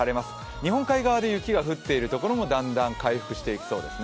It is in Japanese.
日本海側で雪が降っているところもだんだん回復してきそうですね。